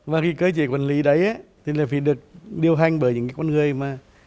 và khi cơ chế quản lý đấy thì là phải được điều hành bởi những cái con người mà